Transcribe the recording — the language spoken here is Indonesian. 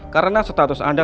karena status anda